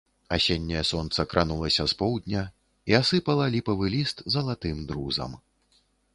Асенняе сонца кранулася з поўдня і асыпала ліпавы ліст залатым друзам.